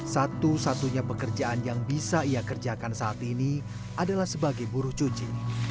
satu satunya pekerjaan yang bisa ia kerjakan saat ini adalah sebagai buruh cuci